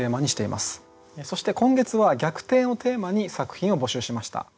そして今月は「逆転」をテーマに作品を募集しました。